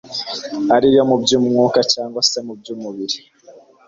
ari iyo mu by'umwuka cyangwa se mu by'umubiri